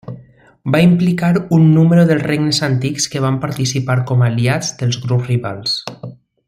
Va implicar un número dels regnes antics que van participar com aliats dels grups rivals.